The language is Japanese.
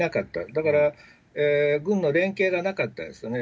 だから、軍の連携がなかったんですよね。